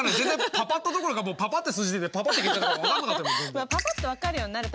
パパっとどころかもうパパって数字出てパパって消えたから分かんなかった。